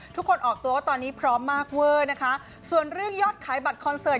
ออกตัวว่าตอนนี้พร้อมมากเวอร์นะคะส่วนเรื่องยอดขายบัตรคอนเสิร์ต